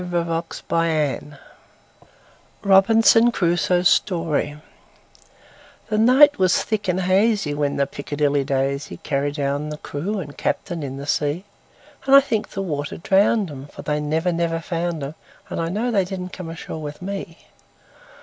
Carryl1841–1920 Robinson Crusoe's Story THE NIGHT was thick and hazyWhen the "Piccadilly Daisy"Carried down the crew and captain in the sea; And I think the water drowned 'em; For they never, never found 'em, And I know they didn't come ashore with me.